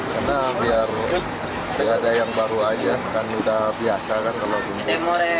karena biar ada yang baru aja kan udah biasa kan kalau bumbu